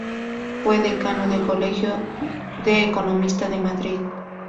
Fue Decano del Colegio de Economistas de Madrid.